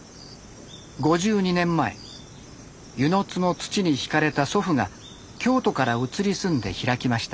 ５２年前温泉津の土に惹かれた祖父が京都から移り住んで開きました。